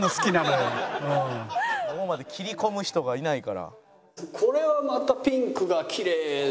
ここまで切り込む人がいないから。